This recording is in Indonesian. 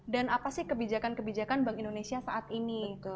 dan apa sih kebijakan kebijakan bank indonesia saat ini